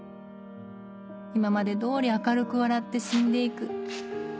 今まで通り明るく笑って死んで行く。